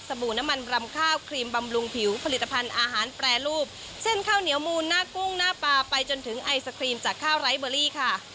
บู่น้ำมันรำข้าวครีมบำรุงผิวผลิตภัณฑ์อาหารแปรรูปเช่นข้าวเหนียวมูลหน้ากุ้งหน้าปลาไปจนถึงไอศครีมจากข้าวไร้เบอรี่ค่ะ